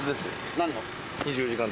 何の？